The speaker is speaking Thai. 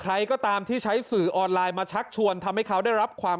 ใครก็ตามที่ใช้สื่อออนไลน์มาชักชวนทำให้เขาได้รับความ